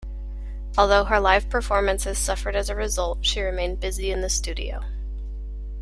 Although her live performances suffered as a result, she remained busy in the studio.